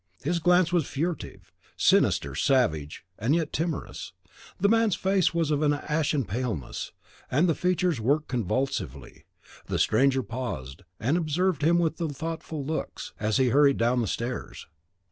His glance was furtive, sinister, savage, and yet timorous; the man's face was of an ashen paleness, and the features worked convulsively. The stranger paused, and observed him with thoughtful looks, as he hurried down the stairs.